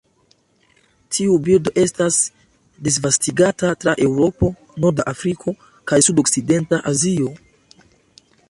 Tiu birdo estas disvastigata tra Eŭropo, norda Afriko kaj sudokcidenta Azio.